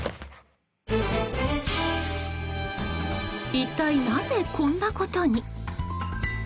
一体なぜ、こんなことに。